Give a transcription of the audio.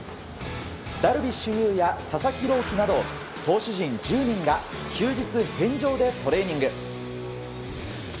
ダルビッシュ有や佐々木朗希など投手陣１０人が休日返上でトレーニング。